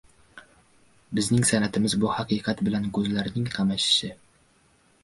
Bizning san’atimiz – bu haqiqat bilan ko‘zlarning qamashishi: